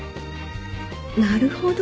なるほど。